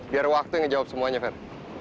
biar waktu yang menjawab semuanya fer